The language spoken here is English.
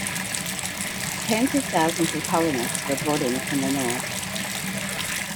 Tens of thousands of colonists were brought in from the north.